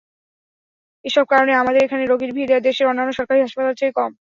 এসব কারণে আমাদের এখানে রোগীর ভিড় দেশের অন্যান্য সরকারি হাসপাতালের চেয়ে কম।